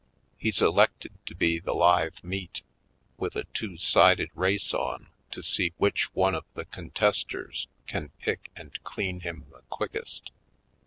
He's elected to be the live meat, with a two sided race on to see which one of the contesters can pick and clean him the quickest.